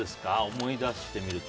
思い出してみると。